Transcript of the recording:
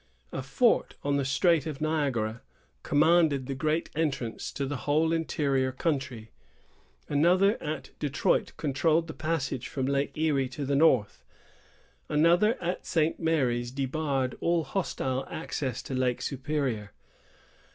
A fort on the strait of Niagara commanded the great entrance to the whole interior country. Another at Detroit controlled the passage from Lake Erie to the north. Another at St. Mary's debarred all hostile access to Lake Superior.